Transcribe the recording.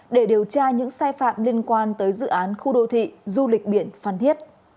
để điều tra những sai phạm liên quan tới dự án khu đô thị du lịch biển phan thiết